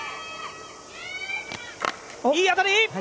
いい当たり！